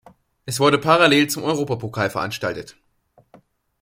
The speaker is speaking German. Es wurde parallel zum Europapokal veranstaltet.